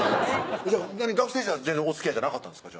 学生時代は全然おつきあいじゃなかったんですか？